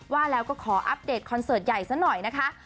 ว่าแล้วก็ขออัปเดตคอนเสิร์ตใหญ่ซะหน่อยนะคะ